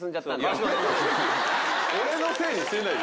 俺のせいにしないで。